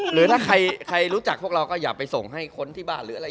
หรือถ้าใครรู้จักพวกเราก็อย่าไปส่งให้คนที่บ้านหรืออะไร